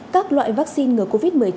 các loại vaccine ngừa covid một mươi chín